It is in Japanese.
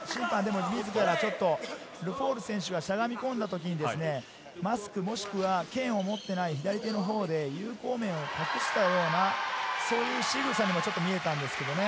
審判みずからルフォール選手がしゃがみ込んだとき、マスクもしくは剣を持っていない左手のほうで有効面をさしたような、そんなしぐさにも見えたんですけどね。